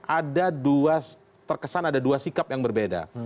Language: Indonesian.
ada dua terkesan ada dua sikap yang berbeda